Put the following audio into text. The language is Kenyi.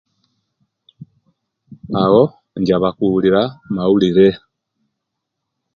Awo injaba kuwulira mawulire